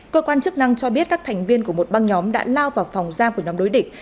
cơ quan chức năng cho biết các thành viên của một băng nhóm đã lao vào phòng ra của nhóm đối địch